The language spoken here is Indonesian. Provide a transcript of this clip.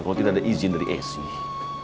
kalau tidak ada izin dari asih